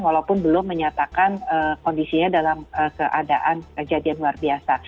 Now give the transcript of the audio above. walaupun belum menyatakan kondisinya dalam keadaan kejadian luar biasa